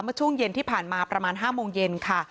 เมื่อช่วงเย็นที่ผ่านมาประมาณ๕โมงเย็นค่ะ